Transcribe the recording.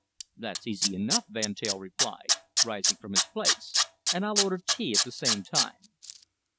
"That's easy enough," Van Teyl replied, rising from his place. "And I'll order tea at the same time."